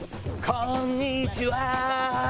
こんにちは！！